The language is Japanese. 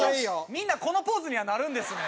みんなこのポーズにはなるんですね。